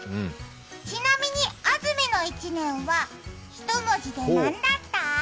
ちなみに安住の一年はひと文字で何だった？